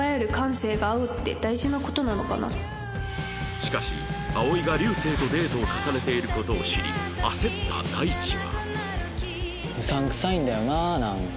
しかし葵が流星とデートを重ねている事を知り焦った大地は